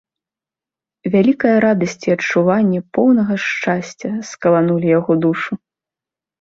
Вялікая радасць і адчуванне поўнага шчасця скаланулі яго душу.